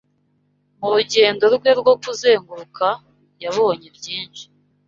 Mu rugendo rwe rwo kuzenguruka yabonye byinshi